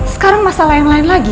sekarang masalah yang lain lagi